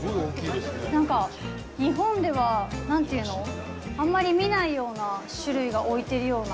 なんか日本では、何ていうのあんまり見ないような種類が置いているような。